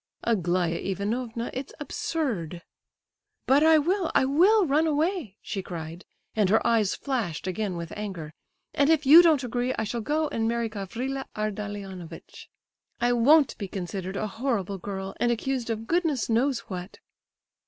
"Aglaya Ivanovna, it's absurd." "But I will, I will run away!" she cried—and her eyes flashed again with anger—"and if you don't agree I shall go and marry Gavrila Ardalionovitch! I won't be considered a horrible girl, and accused of goodness knows what."